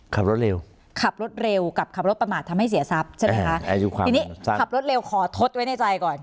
ขับรถเร็วขับรถเร็วกับขับรถประมาททำให้เสียทรัพย์ใช่ไหมคะอายุความทีนี้ขับรถเร็วขอทดไว้ในใจก่อน